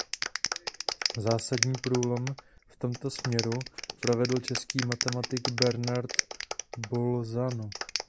Zásadní průlom v tomto směru provedl český matematik Bernard Bolzano.